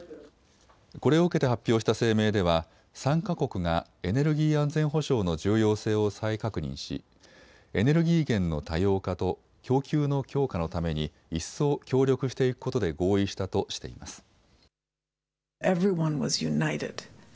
これを受けて発表した声明では参加国がエネルギー安全保障の重要性を再確認しエネルギー源の多様化と供給の強化のために一層協力していくことで合意したとしています。